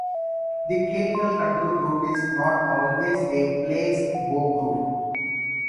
The clinical control group is not always a placebo group.